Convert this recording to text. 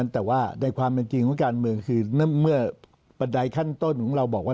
แต่ว่าในความเป็นจริงของการเมืองคือเมื่อบันไดขั้นต้นของเราบอกว่า